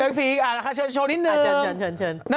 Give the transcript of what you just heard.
แบล็กพิงอ่ะคะเชิญโชว์นิดหนึ่ง